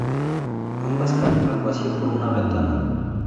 Ambas caen al vacío por una ventana.